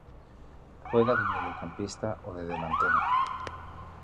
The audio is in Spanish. Juega de Mediocampista o de delantero.